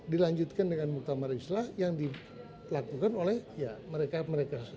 dilanjutkan dengan muktamar islah yang dilakukan oleh mereka mereka